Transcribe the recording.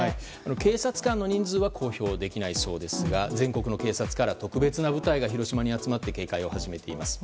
警察官の人数は公表できないそうですが全国の警察から特別な部隊が広島に集まって警戒を始めています。